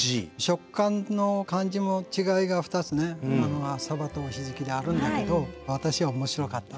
食感の感じも違いが２つねさばとひじきであるんだけど私は面白かった。